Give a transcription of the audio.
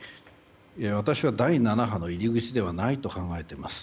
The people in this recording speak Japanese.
私は第７波の入り口ではないと思っています。